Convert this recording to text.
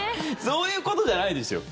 そういうことじゃないですよ。